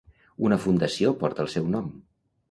Una Fundació porta el seu nom.